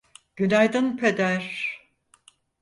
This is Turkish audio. Günaydın, Peder.